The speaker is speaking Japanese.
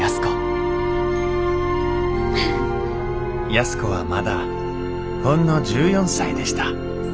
安子はまだほんの１４歳でした。